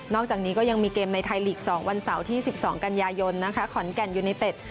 อกจากนี้ก็ยังมีเกมในไทยลีก๒วันเสาร์ที่๑๒กันยายนขอนแก่นยูเนเต็ด